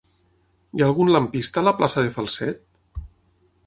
Hi ha algun lampista a la plaça de Falset?